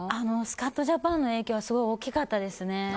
「スカッとジャパン」の影響はすごい大きかったですね。